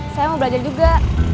saya mau belajar juga